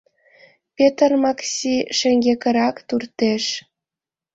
Петр Макси шеҥгекырак туртеш.